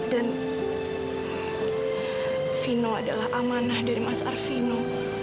dan vino adalah amanah dari mas arvino